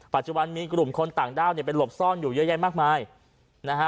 ปัจจุบันมีกลุ่มคนต่างด้าวเนี่ยไปหลบซ่อนอยู่เยอะแยะมากมายนะฮะ